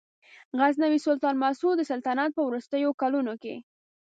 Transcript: غزنوي سلطان مسعود د سلطنت په وروستیو کلونو کې.